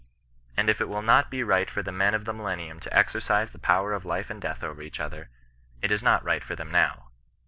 And if it will not be right for the men of the millennium to exercise the power of life and death over each other, it is not right for them now.